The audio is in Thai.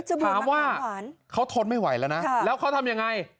ถามว่าเขาทนไม่ไหวแล้วนะแล้วเขาทำยังไง